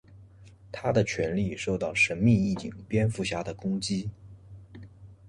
他的权力受到神秘义警蝙蝠侠的攻击。